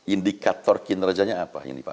indikator kinerjanya apa